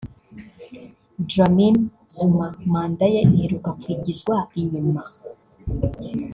Dlamini Zuma manda ye iheruka kwigizwa inyuma’’